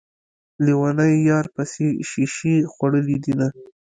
ليونی يار پسې شيشې خوړلي دينه